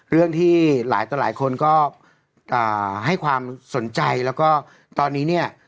เรื่องที่หลายต่อหลายคนก็ให้ความสนใจแล้วก็ตอนนี้เนี่ย